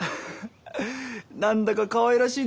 何だかかわいらしいでしょう？